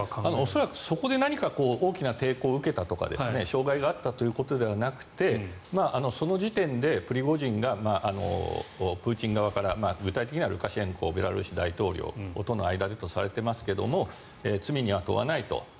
恐らく、そこで何か大きな抵抗を受けたとか障害があったということではなくてその時点でプリゴジンがプーチン側から具体的にはルカシェンコベラルーシ大統領との間でとされていますが罪には問わないと。